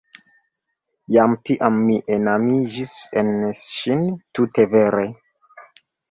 Jen tiam mi enamiĝis en ŝin tute vere.